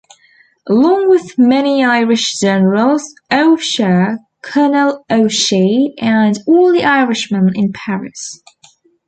Along with many Irish generals, O'Cher, Colonel O'Shee, and all the Irishmen in Paris.